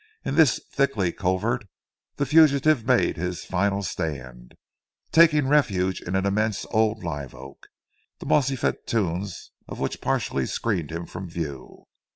In this thickety covert the fugitive made his final stand, taking refuge in an immense old live oak, the mossy festoons of which partially screened him from view.